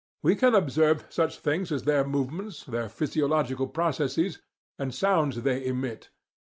We can observe such things as their movements, their physiological processes, and the sounds they emit.